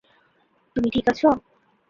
তুমি ঠিক আছ?